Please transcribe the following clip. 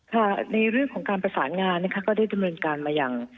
ในเรื่องของการประสานงานนะคะก็ได้ดำเนินการมาอย่าง